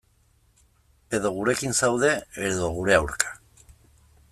Edo gurekin zaude, edo gure aurka.